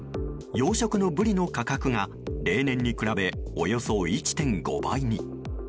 養殖のブリの価格が例年に比べ、およそ１．５倍に。